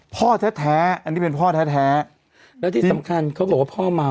พ่อแท้แท้อันนี้เป็นพ่อแท้แล้วที่สำคัญเขาบอกว่าพ่อเมา